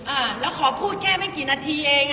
อ่าแล้วขอพูดแค่ไม่กี่นาทีเอง